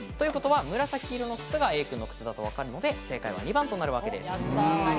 紫色の靴がＡ君の靴と分かるので、正解は２番となるわけです。